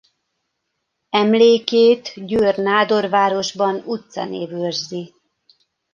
Emlékét Győr-Nádorvárosban utcanév őrzi.